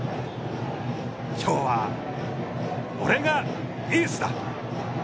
きょうは、俺がエースだ。